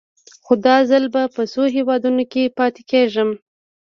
خو دا ځل به په څو هېوادونو کې پاتې کېږم.